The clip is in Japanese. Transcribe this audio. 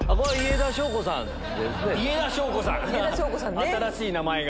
新しい名前が。